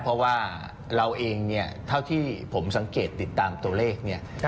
เพราะว่าเราเองเนี่ยเท่าที่ผมสังเกตติดตามตัวเลขเนี่ย